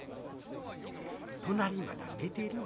隣まだ寝てるわ」。